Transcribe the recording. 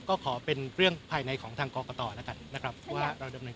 ก็ขอเป็นเรื่องภายในของทางกรกตแล้วกันนะครับว่าเราดำเนิน